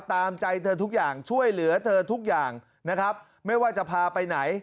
ตามใจเธอทุกอย่างช่วยเหลือเธอทุกอย่างนะครับไม่ว่าจะพาไปไหน